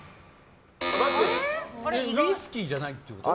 ウイスキーじゃないってこと？